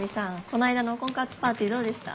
この間の婚活パーティーどうでした？